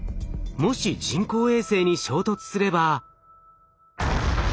もし人工衛星に衝突すれば。